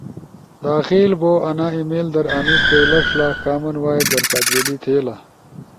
داخل بو آنا ای میل در آنیس کئی لݜلا کامن وائس در سأت ویلی تھے لا۔